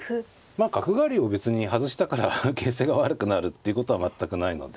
まあ角換わりを別に外したから形勢が悪くなるっていうことは全くないので。